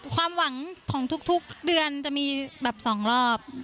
ความหวังของทุกเดือนจะมีแบบ๒รอบ